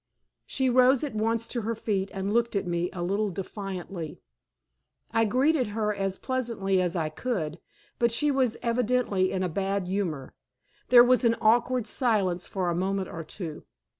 She rose at once to her feet, and looked at me a little defiantly. I greeted her as pleasantly as I could, but she was evidently in a bad humor. There was an awkward silence for a moment or two.